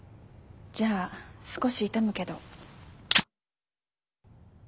じゃあ少し痛むけど。